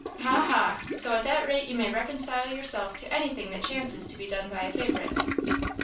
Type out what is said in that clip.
"Ha!, ha! So at that rate you may reconcile yourself to anything that chances to be done by a favourite."